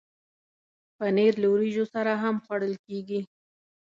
پنېر له وریجو سره هم خوړل کېږي.